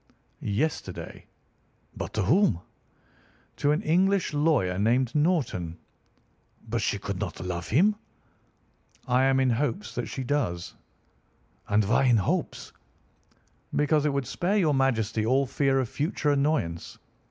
"Yesterday." "But to whom?" "To an English lawyer named Norton." "But she could not love him." "I am in hopes that she does." "And why in hopes?" "Because it would spare your Majesty all fear of future annoyance.